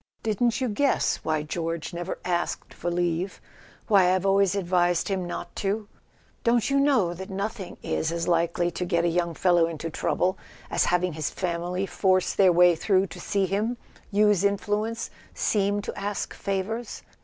Didn't you guess why George never asked for leave—why I've always advised him not to ? Don't you know that nothing is as likely to get a young fellow into trouble as having his family force their way through to see him, use influence, seem to ask favours